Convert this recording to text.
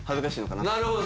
なるほど。